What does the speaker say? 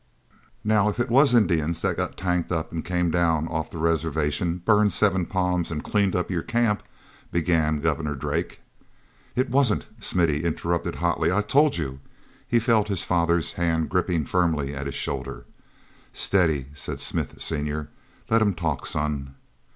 "Now, if it was Indians that got tanked up and came down off the reservation, burned Seven Palms and cleaned up your camp—" began Governor Drake. "It wasn't!" Smithy interrupted hotly. "I told you—" He felt his father's hand gripping firmly at his shoulder. "Steady," said Smith, senior. "Let him talk, son."